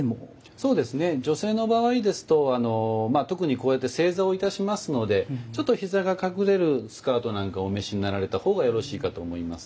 そうですね女性の場合ですと特にこうやって正座をいたしますのでちょっと膝が隠れるスカートなんかをお召しになられた方がよろしいかと思います。